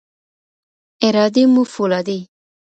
ارادې مو فولادي.